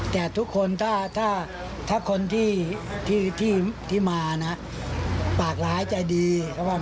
แต่ทุกคนถ้าคนที่มานะปากร้ายใจดี